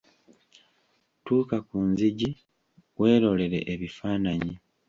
Tuuka ku nzigi weelolere ebifaananyi.